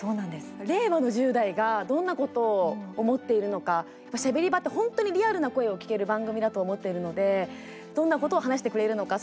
令和の１０代がどんなことを思っているのか「しゃべり場」って本当にリアルな声を聴ける番組だと思っているのでどんなことを話してくれるのか。